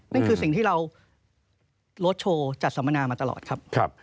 นี่คือสิ่งที่เราลดโชว์จัดสัมมนามาตลอดครับ